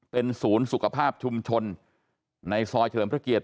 เป็นศูนย์สุขภาพชุมชนในซอยเฉลิมพระเกียรติ